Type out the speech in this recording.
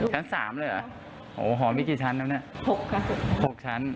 ชั้นสามเลยหรอโหหอมีกี่ชั้นครับเนี่ยหกค่ะหกชั้น